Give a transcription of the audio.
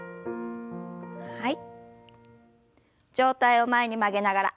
はい。